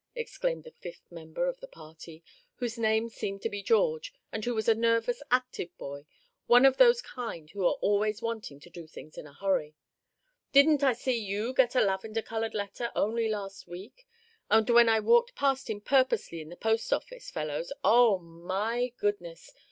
exclaimed the fifth member of the party, whose name seemed to be George, and who was a nervous, active boy, one of those kind who are always wanting to do things in a hurry; "didn't I see you get a lavender colored letter only last week, and when I walked past him purposely in the post office, fellows, oh! my goodness!